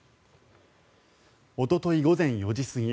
おととい午前４時過ぎ